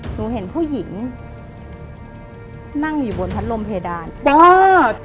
หนูเห็นผู้หญิงนั่งอยู่บนพัดลมเพดานเปิด